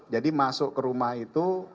jadi masuk ke rumah itu